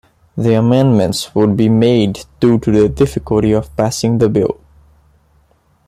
The amendments would be made due to the difficulty of passing the bill.